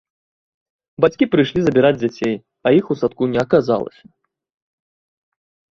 Бацькі прыйшлі забіраць дзяцей, а іх у садку не аказалася.